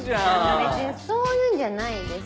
別にそういうんじゃないです。